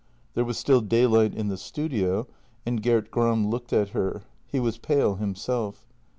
There was still daylight in the studio and Gert Gram looked at her. He was pale himself.